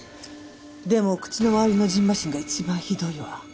でも口の周りのじんましんが一番ひどいわ。